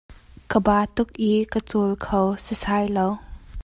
Ka ba tuk i ka cawl kho sasai lo.